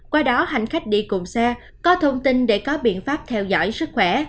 qua đó hành khách đi cùng xe có thông tin để có biện pháp theo dõi sức khỏe